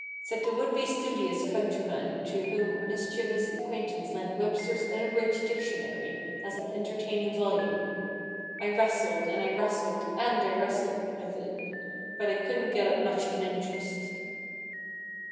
Said the would be studious countryman to whom a mischievous acquaintance lent "Webster's Unabridged Dictionary" as an entertaining volume,—"I wrastled, and I wrastled, and I wrastled with it, but I couldn't get up much of an int'rest."